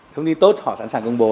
thông tin tốt họ sẵn sàng công bố